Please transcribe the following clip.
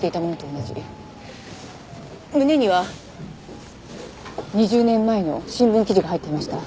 胸には２０年前の新聞記事が入っていました。